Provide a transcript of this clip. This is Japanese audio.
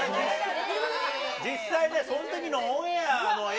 実際そのときのオンエアの映